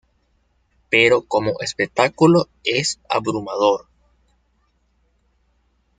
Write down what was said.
Pero como espectáculo es abrumador.